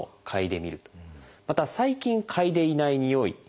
また最近嗅いでいないにおい。